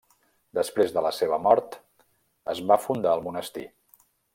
Després de la seva mort es va fundar el monestir.